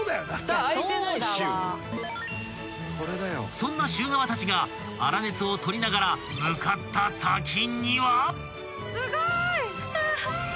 ［そんなシュー皮たちが粗熱を取りながら向かった先には］